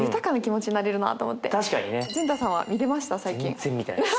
全然見てないです。